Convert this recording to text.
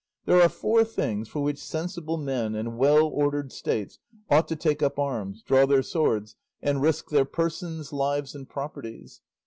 There are four things for which sensible men and well ordered States ought to take up arms, draw their swords, and risk their persons, lives, and properties.